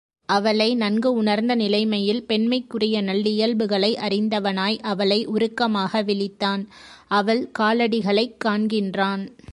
அவளை நன்கு உணர்ந்த நிலைமையில் பெண்மைக்குரிய நல்லியல்புகளை அறிந்தவனாய் அவளை உருக்கமாக விளித்தான் அவள் காலடிகளைக் காண்கின்றான்.